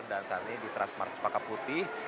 dan saat ini di transmart sepakaputi